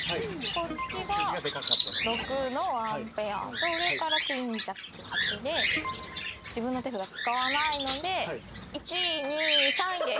こっちが６の１ペアと上からクイーンジャック８で自分の手札使わないので１位２位３位です。